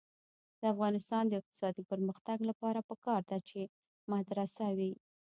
د افغانستان د اقتصادي پرمختګ لپاره پکار ده چې مدرسه وي.